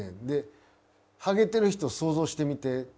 で「ハゲてる人想像してみて。